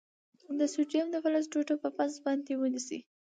د سوډیم د فلز ټوټه په پنس باندې ونیسئ.